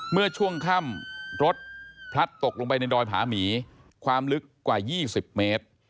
เมื่อช่วงค่ำรถพลัดตกลงไปในดอยผาหมีความลึกกว่า๒๐เมตร